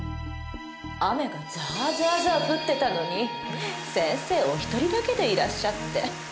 雨がザーザーザー降ってたのに先生おひとりだけでいらっしゃって。